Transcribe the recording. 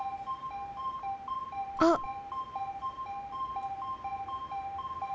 あっ！